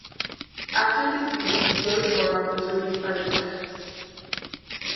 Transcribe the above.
After the season, Roseboro was released by the Twins.